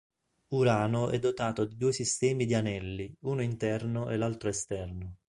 Urano è dotato di due sistemi di anelli, uno interno e l'altro esterno.